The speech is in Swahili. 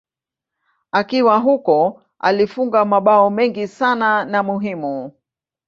Akiwa huko alifunga mabao mengi sana na muhimu.